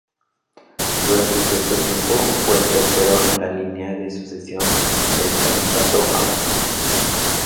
Durante cierto tiempo, fue el tercero en la línea de sucesión del Califato abasí.